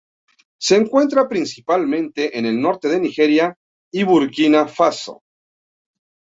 Se encuentra principalmente en el norte de Nigeria y Burkina Faso.